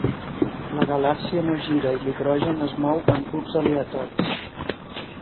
La galàxia no gira i l'hidrogen es mou en grups aleatoris.